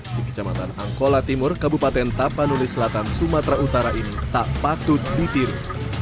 di kecamatan angkola timur kabupaten tapanuli selatan sumatera utara ini tak patut ditiru